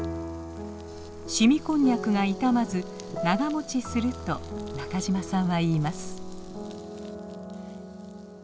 凍みこんにゃくが傷まず長もちすると中嶋さんは言います。